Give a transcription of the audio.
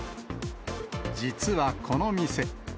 実はこの店。